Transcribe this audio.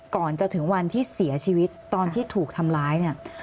ก่อนจะถึงวันที่เสียชีวิตตอนที่ถูกทำร้ายเนี่ย